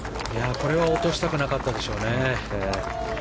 これは落としたくなかったでしょうね。